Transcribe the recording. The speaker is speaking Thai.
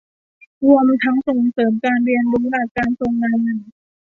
รวมทั้งส่งเสริมการเรียนรู้หลักการทรงงาน